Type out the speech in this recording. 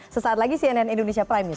sesaat lagi cnn indonesia prime news